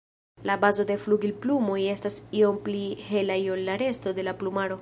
La bazo de flugilplumoj estas iom pli helaj ol la resto de la plumaro.